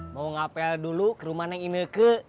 mau ngapel dulu ke rumah neng ineke